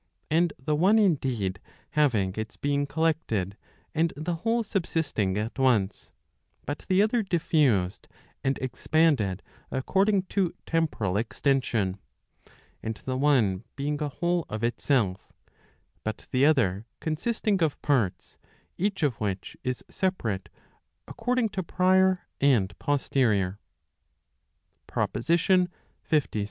And the one indeed having its being collected, and the whole subsisting at once, but the other diffused, and expanded according to temporal extension. And the one being a whole of itself, but the other consisting of parts, each of which is separate, according to prior and posterior, PROPOSITION LVI.